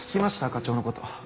課長のこと。